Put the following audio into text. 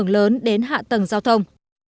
lớn đến hạ tầng giao thông